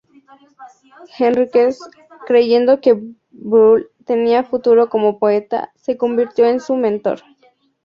Henríquez, creyendo que Brull tenía futuro como poeta, se convirtió en su mentor.